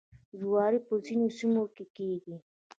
جواری په ځینو سیمو کې کیږي.